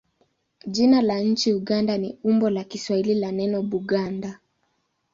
Jina la nchi Uganda ni umbo la Kiswahili la neno Buganda.